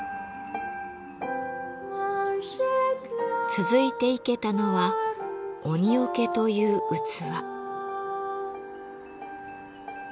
続いて生けたのは鬼桶という器。